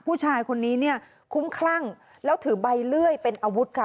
ผู้ชายคนนี้เนี่ยคุ้มคลั่งแล้วถือใบเลื่อยเป็นอาวุธค่ะ